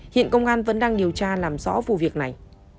hiện công an vẫn đang điều tra làm rõ vụ việc này